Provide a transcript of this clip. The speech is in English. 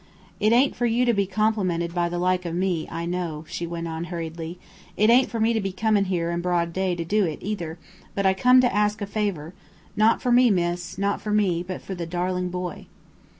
"It ain't for you to be complimented by the like of me, I know," she went on, hurriedly. "It ain't for me to be comin' here, in broad day, to do it, either; but I come to ask a favor not for me, miss not for me, but for the darling boy."